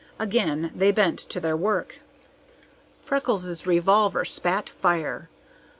Again they bent to their work. Freckles' revolver spat fire.